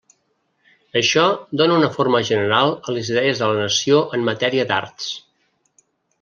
Això dóna una forma general a les idees de la nació en matèria d'arts.